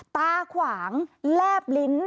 ตาขวางแลบลิ้น